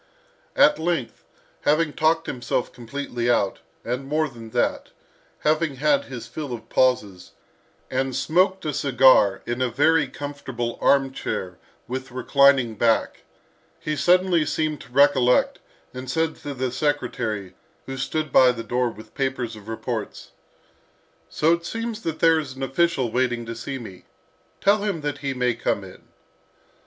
At length, having talked himself completely out, and more than that, having had his fill of pauses, and smoked a cigar in a very comfortable arm chair with reclining back, he suddenly seemed to recollect, and said to the secretary, who stood by the door with papers of reports, "So it seems that there is an official waiting to see me. Tell him that he may come in."